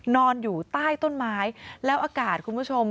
นอนอยู่ใต้ต้นไม้แล้วอากาศคุณผู้ชม